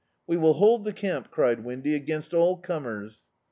"We will hold the camp," cried Windy, "against all comers."